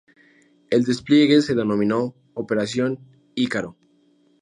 El despliegue se denominó "Operación Ícaro".